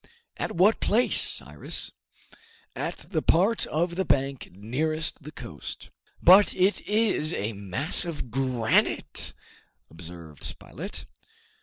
"At what place, Cyrus?" "At the part of the bank nearest the coast." "But it is a mass of granite!" observed Spilett.